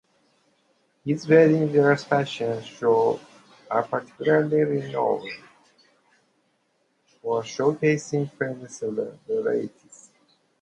His wedding dress fashion shows are particularly renowned for showcasing famous celebrities.